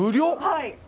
はい。